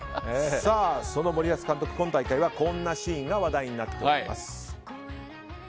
その森保監督、今大会はこんなシーンが話題になっています。